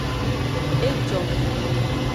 E jo.